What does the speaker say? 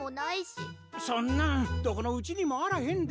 そんなんどこのうちにもあらへんで。